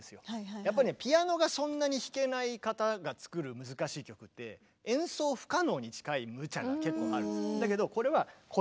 やっぱりねピアノがそんなに弾けない方が作る難しい曲って演奏不可能に近いむちゃが結構ある。